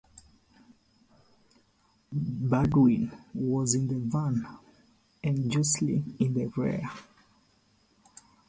Baldwin was in the van and Joscelyn in the rear.